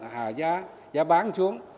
hạ giá bán xuống